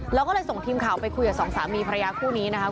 เราก็เลยส่งทีมข่าวไปคุยกับสองสามีภรรยาคู่นี้นะครับ